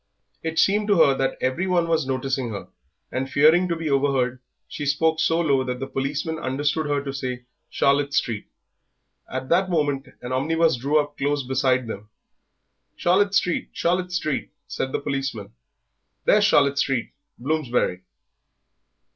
It seemed to her that every one was noticing her, and fearing to be overheard she spoke so low that the policeman understood her to say Charlotte Street. At that moment an omnibus drew up close beside them. "Charlotte Street, Charlotte Street," said the policeman, "there's Charlotte Street, Bloomsbury."